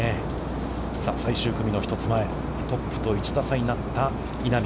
さあ最終組の１つ前、トップと１打差になった稲見。